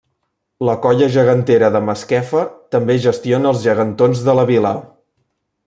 La Colla Gegantera de Masquefa també gestiona els Gegantons de la Vila.